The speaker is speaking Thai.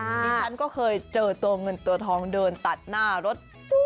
ดิฉันก็เคยเจอตัวเงินตัวทองเดินตัดหน้ารถ